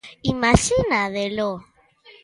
Imaxinádelo?